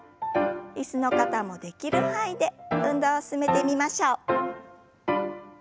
椅子の方もできる範囲で運動を進めてみましょう。